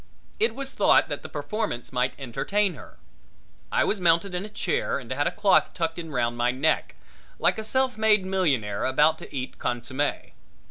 It was thought that the performance might entertain her. I was mounted in a chair and had a cloth tucked in round my neck, like a self made millionaire about to eat consomme.